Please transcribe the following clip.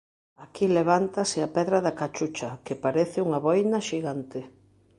Aquí levántase a Pedra da Cachucha que parece unha boina xigante.